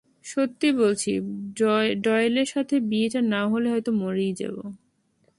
সত্যি বলছি, ডয়েলের সাথে বিয়েটা না হলে হয়তো মরেই যাব!